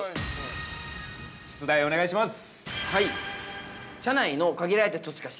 ◆出題をお願いします。